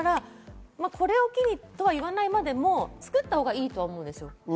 これを機にとはいわないまでも作ったほうがいいとは思うんです。